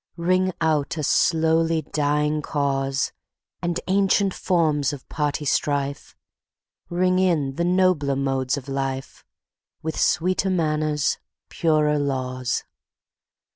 Ring out a slowly dying cause, And ancient forms of party strife; Ring in the nobler modes of life, With sweeter manners, purer laws.